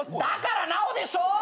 だからなおでしょ！